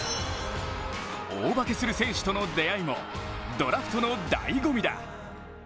大化けする選手との出会いもドラフトのだいご味だ。